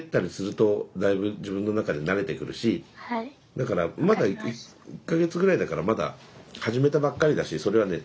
だからまだ１か月ぐらいだからまだ始めたばっかりだしそれはね